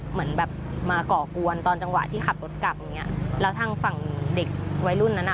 เหมือนแบบมาก่อกวนตอนจังหวะที่ขับรถกลับแล้วทั้งฝั่งเด็กว้ายรุ่นนั้น